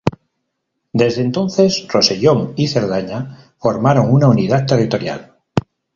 Desde entonces, Rosellón y Cerdaña formaron una unidad territorial.